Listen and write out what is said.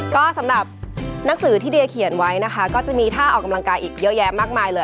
ก็สำหรับหนังสือที่เดียเขียนไว้นะคะก็จะมีท่าออกกำลังกายอีกเยอะแยะมากมายเลย